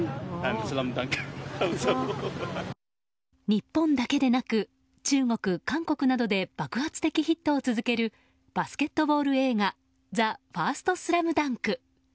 日本だけでなく、中国韓国などで爆発的ヒットを続けるバスケットボール映画「ＴＨＥＦＩＲＳＴＳＬＡＭＤＵＮＫ」。